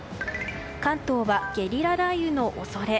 関東はゲリラ雷雨の恐れ。